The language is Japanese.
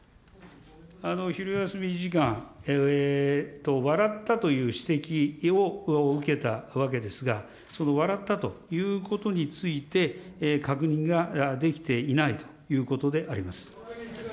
昼休み時間、笑ったという指摘を受けたわけですが、その笑ったということについて、確認ができていないということであります。